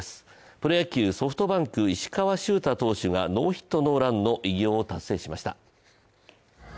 プロ野球、ソフトバンク・石川柊太投手が、ノーヒットノーランの偉業を達成しました。